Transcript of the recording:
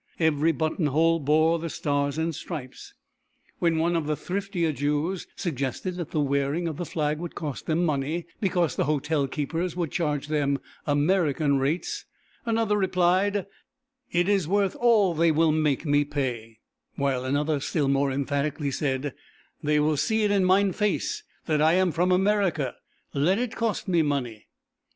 Every button hole bore the Stars and Stripes. When one of the thriftier Jews suggested that the wearing of the flag would cost them money, because the hotel keepers would charge them American rates, another replied: "It is worth all they will make me pay," while another still more emphatically said: "They will see it in mine face that I am from America; let it cost me money."